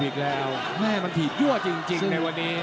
อีกแล้วแม่มันถีบยั่วจริงในวันนี้